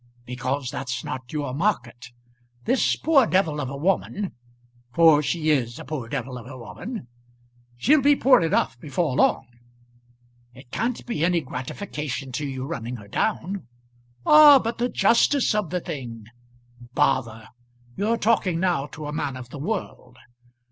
"Because that's not your market. This poor devil of a woman for she is a poor devil of a woman " "She'll be poor enough before long." "It can't be any gratification to you running her down." "Ah, but the justice of the thing." "Bother. You're talking now to a man of the world.